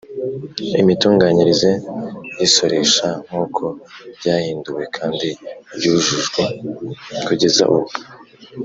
Imitunganyirize y isoresha nk uko ryahinduwe kandi ryujujwe kugeza ubu